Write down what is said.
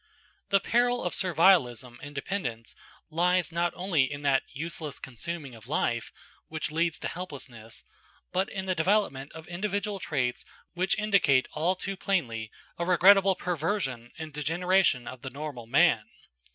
The peril of servilism and dependence lies not only in that "useless consuming of life," which leads to helplessness, but in the development of individual traits which indicate all too plainly a regrettable perversion and degeneration of the normal man.